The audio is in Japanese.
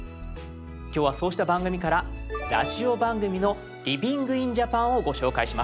今日はそうした番組からラジオ番組の「ＬｉｖｉｎｇｉｎＪａｐａｎ」をご紹介します。